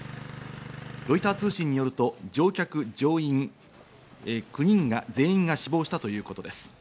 ロイター通信によると乗客・乗員９人全員が死亡したということです。